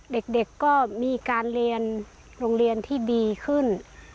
เด็กก็มีการเรียนโรงเรียนที่ดีขึ้น